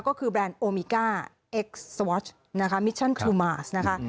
ก็คือแบรนด์โอมิก้าเอ็กซ์สวอชนะคะมิชชั่นครูมาสนะคะ